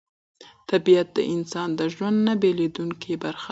طبیعت د انسان د ژوند نه بېلېدونکې برخه ده